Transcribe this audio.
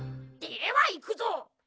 ではいくぞ。